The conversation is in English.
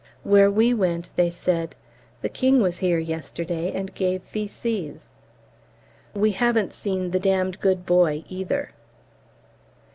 Where we went, they said, "The King was here yesterday and gave V.C.'s." We haven't seen the "d d good boy" either.